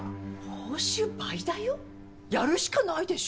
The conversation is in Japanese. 報酬倍だよやるしかないでしょ。